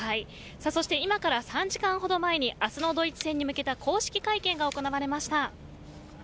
そして今から３時間ほど前に明日のドイツ戦に向けた公式会見が行われました。